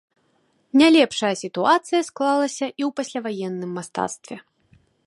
Не лепшая сітуацыя склалася і ў пасляваенным мастацтве.